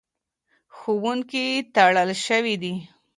ښوونځي تړل شوي دي.